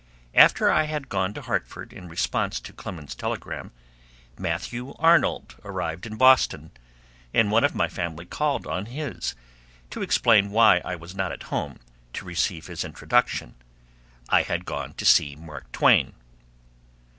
After I had gone to Hartford in response to Clemens's telegram, Matthew Arnold arrived in Boston, and one of my family called on his, to explain why I was not at home to receive his introduction: I had gone to see Mark Twain.